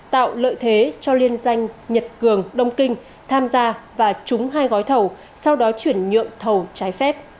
tạo lợi thế cho liên danh nhật cường đông kinh tham gia và trúng hai gói thầu sau đó chuyển nhượng thầu trái phép